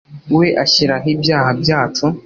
we ashyiraho ibyaha byacu